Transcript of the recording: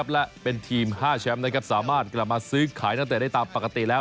และเป็นทีม๕แชมป์สามารถกลับมาซื้อขายนักเตะได้ตามปกติแล้ว